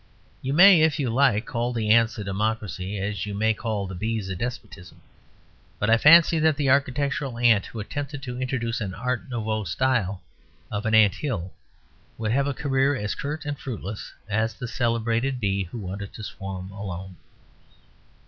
You may, if you like, call the ants a democracy as you may call the bees a despotism. But I fancy that the architectural ant who attempted to introduce an art nouveau style of ant hill would have a career as curt and fruitless as the celebrated bee who wanted to swarm alone.